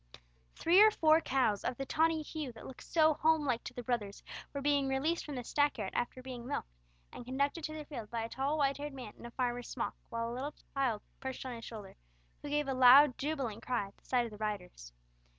Three or four cows, of the tawny hue that looked so home like to the brothers, were being released from the stack yard after being milked, and conducted to their field by a tall, white haired man in a farmer's smock with a little child perched on his shoulder, who gave a loud jubilant cry at the sight of the riders.